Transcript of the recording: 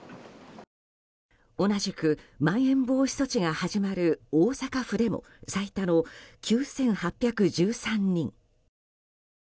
同じく、まん延防止措置が始まる大阪府でも最多の９８１３人。